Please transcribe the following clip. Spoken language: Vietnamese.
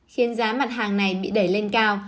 khiến giá mặt hàng này bị đẩy lên cao